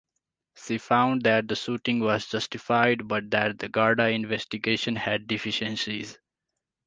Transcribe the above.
She found that the shooting was justified but that the Garda investigation had deficiencies.